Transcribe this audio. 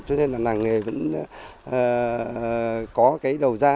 cho nên làng nghề vẫn có cái đầu ra